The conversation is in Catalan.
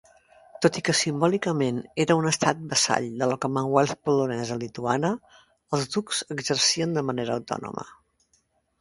Tot i que simbòlicament era un estat vassall de la Commonwealth polonesa lituana, els ducs exercien de manera autònoma.